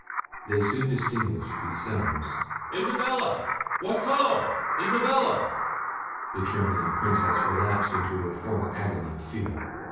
They soon distinguished these sounds— "Isabella! what, ho! Isabella!" The trembling Princess relapsed into her former agony of fear.